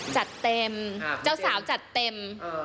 จัดเต็มเจ้าสาวจัดเต็ม